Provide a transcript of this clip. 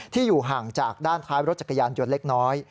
อยู่ห่างจากด้านท้ายรถจักรยานยนต์เล็กน้อย